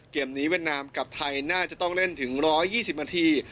เกมนี้เวียดนามกับไทยน่าจะต้องเล่นถึง๑๒๐นาที